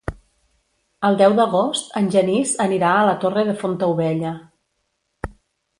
El deu d'agost en Genís anirà a la Torre de Fontaubella.